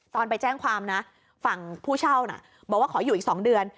ตอนไปแจ้งความนะฝั่งผู้เช่าน่ะบอกว่าขออยู่อีก๒เดือน